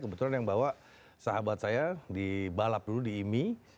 kebetulan yang bawa sahabat saya di balap dulu di imi